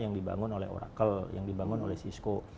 yang dibangun oleh oracle yang dibangun oleh cisco